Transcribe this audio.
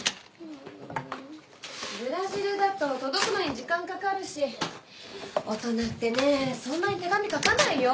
ブラジルだと届くのに時間かかるし大人ってねぇそんなに手紙書かないよ？